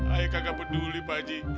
ayo kagak peduli pak haji